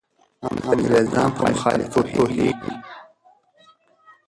انګریزان په مخالفت پوهېږي.